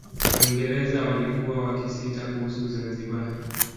Waingereza walikuwa wakisita kuhusu Zanzibar